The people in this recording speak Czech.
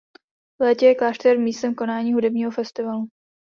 V létě je klášter místem konání hudebního festivalu.